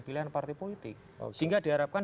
pilihan partai politik sehingga diharapkan